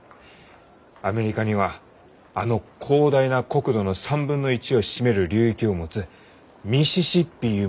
アメリカにはあの広大な国土の３分の１を占める流域を持つミシシッピゆう